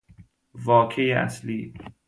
واکه اصلی